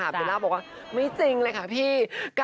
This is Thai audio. เบลล่าบอกว่าไม่จริงเลยค่ะพี่